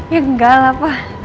ya enggak lah pa